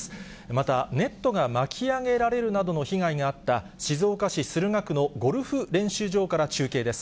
また、ネットが巻き上げられるなどの被害があった静岡市駿河区のゴルフ練習場から中継です。